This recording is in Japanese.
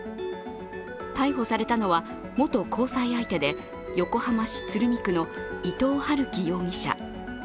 逮捕されたのは元交際相手で、横浜市鶴見区の伊藤龍稀容疑者。